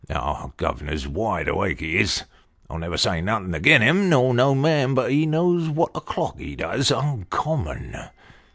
Our governor's wide awake, he is. I'll never say nothin' agin him, nor no man; but he knows what's o'clock, he does, uncommon."